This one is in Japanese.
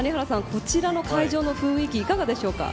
こちらの会場の雰囲気いかがでしょうか。